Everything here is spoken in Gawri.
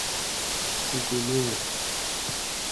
کوکونیل